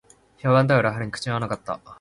評判とは裏腹に口に合わなかった